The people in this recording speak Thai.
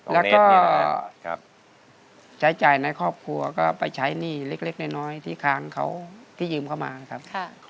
แล้วก็ใช้จ่ายในครอบครัวก็ไปใช้หนี้เล็กน้อยที่ค้างเขาที่ยืมเข้ามาครับ